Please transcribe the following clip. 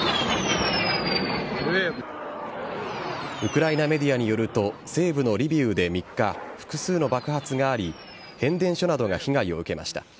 ウクライナメディアによると西部のリビウで３日複数の爆発があり変電所などが被害を受けました。